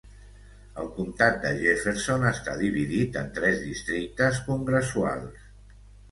El comtat de Jefferson està dividit en tres districtes congressuals.